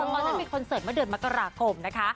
ก่อนที่มีคอนเสิร์ตเมื่อเดือนมกรกมนะคะ